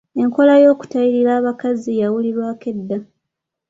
Enkola ey’okutayirira abakazi yawulirwako edda.